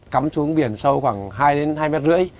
cắm xuống biển sâu khoảng hai hai mét rưỡi